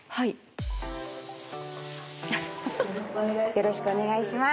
よろしくお願いします。